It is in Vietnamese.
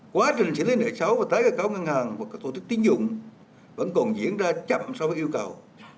quá trình chỉ lấy nợ xấu và tái cơ cấu ngân hàng của tổ chức tín dụng vẫn còn diễn ra chậm so với yêu cầu